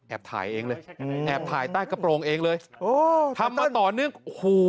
ถ่ายเองเลยอืมแอบถ่ายใต้กระโปรงเองเลยโอ้ทำมาต่อเนื่องโอ้โห